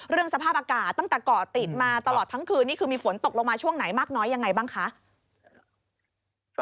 สภาพอากาศตั้งแต่เกาะติดมาตลอดทั้งคืนนี่คือมีฝนตกลงมาช่วงไหนมากน้อยยังไงบ้างคะ